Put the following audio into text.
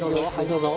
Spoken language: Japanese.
どうぞ。